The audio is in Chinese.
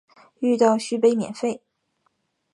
遇到续杯免费